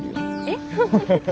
えっ？